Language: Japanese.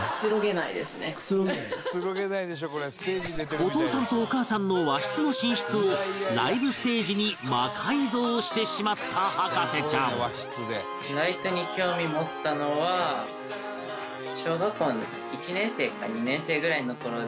お父さんとお母さんの和室の寝室をライブステージに魔改造してしまった博士ちゃん小学校１年生か２年生ぐらいの頃で。